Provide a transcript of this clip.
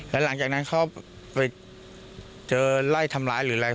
แล้วหลังจากนั้นเขาไปเจอไล่ทำร้ายหรืออะไร